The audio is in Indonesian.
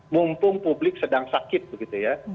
mumpung publik sedang sakit begitu ya